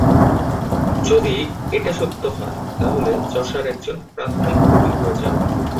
যদি এটা সত্য হয়, তাহলে চসার একজন প্রাথমিক কবি হয়ে যাবেন।